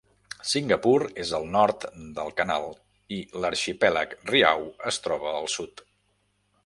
Singapur és al nord del canal i l'arxipèlag Riau es troba al sud.